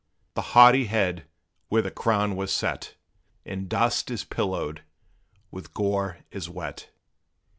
The haughty head where the crown was set, In dust is pillowed with gore is wet!